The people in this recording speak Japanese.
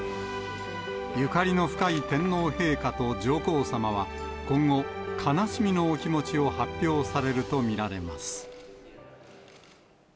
ゆかりの深い天皇陛下と上皇さまは今後、悲しみのお気持ちを発表されると見られます。